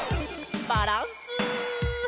バランス。